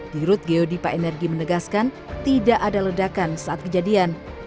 dirut geodipa energi menegaskan tidak ada ledakan saat kejadian